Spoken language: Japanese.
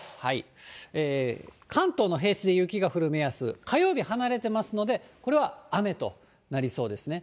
関東の平地で雪が降る目安、火曜日離れてますので、これは雨となりそうですね。